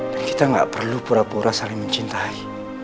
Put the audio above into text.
dan kita gak perlu pura pura saling mencintai